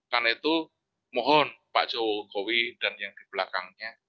karena itu mohon pak jokowi dan yang di belakangnya